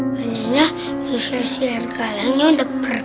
makanya manusia segalanya udah pergi